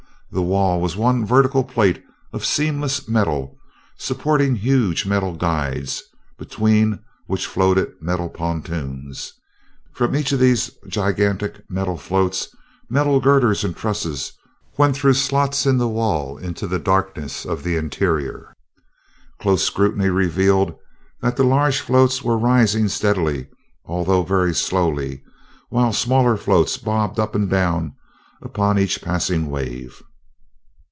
The wall was one vertical plate of seamless metal, supporting huge metal guides, between which floated metal pontoons. From these gigantic floats metal girders and trusses went through slots in the wall into the darkness of the interior. Close scrutiny revealed that the large floats were rising steadily, although very slowly; while smaller floats bobbed up and down upon each passing wave.